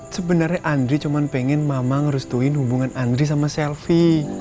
sebenarnya andri cuma pengen mama ngerestuin hubungan andri sama selfie